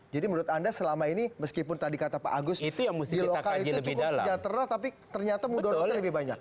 jadi menurut anda selama ini meskipun tadi kata pak agus di lokal itu cukup sejahtera tapi ternyata mudah mudahan lebih banyak